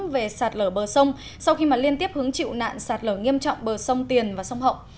về sạt lở bờ sông sau khi liên tiếp hứng chịu nạn sạt lở nghiêm trọng bờ sông tiền và sông hậu